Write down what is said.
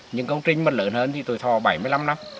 những công trình mà lớn hơn thì tuổi thò là bảy mươi năm năm